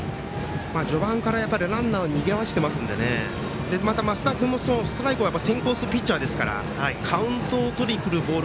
序盤からランナーをにぎわせてますからねまた升田君もストライクが先行するピッチャーですからカウントをとりにくるボール